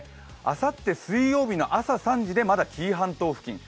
あさって水曜日の朝３時でまだ紀伊半島付近。